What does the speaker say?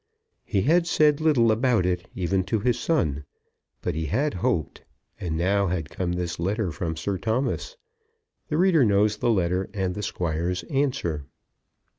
He had said little about it even to his son; but he had hoped; and now had come this letter from Sir Thomas. The reader knows the letter and the Squire's answer.